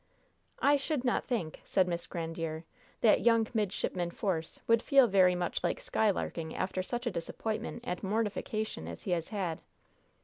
"I should not think," said Miss Grandiere, "that young Midshipman Force would feel very much like skylarking after such a disappointment and mortification as he has had."